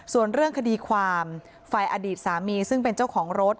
ส่วนเรื่องคดีความฝ่ายอดีตสามีซึ่งเป็นเจ้าของรถ